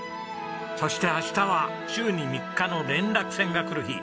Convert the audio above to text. そして明日は週に３日の連絡船が来る日。